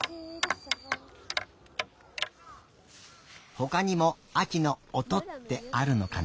ほかにもあきの「おと」ってあるのかな。